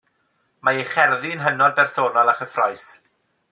Mae ei cherddi'n hynod bersonol a chyffrous.